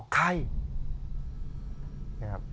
ใคร